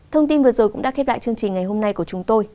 thông tin vừa rồi cũng đã khép lại chương trình ngày hôm nay của chúng tôi